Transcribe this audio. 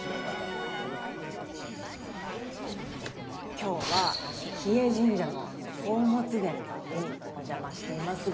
今日は日枝神社の宝物殿にお邪魔していますが。